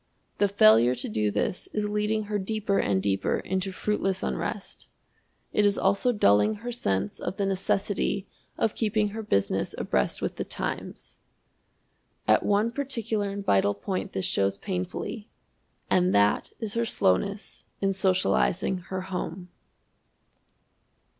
The failure to do this is leading her deeper and deeper into fruitless unrest. It is also dulling her sense of the necessity of keeping her business abreast with the times. At one particular and vital point this shows painfully, and that is her slowness in socializing her home.